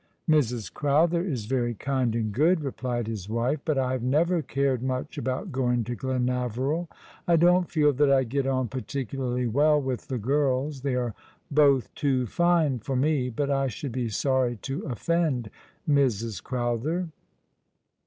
'' Mrs. Crowther is very kind and good," replied his wife ;^ but I have never cared much about going to Glenaveril. I don't feel that I get on particularly well with the girls. They are both too fine for me. But I should be sorry to offend Mrs. Crowther."